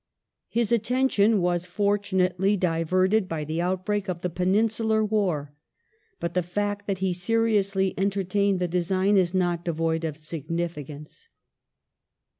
His attention was fortunately diverted by the outbreak of the Peninsular War, but the fact that he seriously entertained the design is not devoid of signi ficance.